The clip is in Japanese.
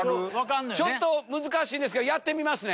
⁉ちょっと難しいですけどやってみますね。